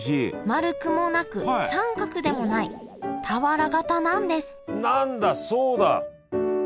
丸くもなく三角でもない俵型なんです何だそうだ。